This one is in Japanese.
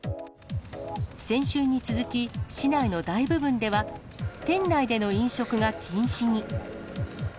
先週に続き、市内の大部分では、店内での飲食が禁止に。